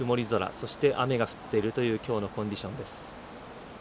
そして、雨が降っているというきょうのコンディションです。